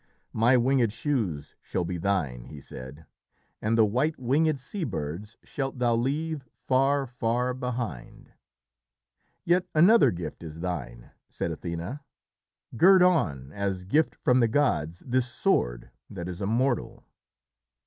"My winged shoes shall be thine," he said, "and the white winged sea birds shalt thou leave far, far behind." "Yet another gift is thine," said Athené. "Gird on, as gift from the gods, this sword that is immortal."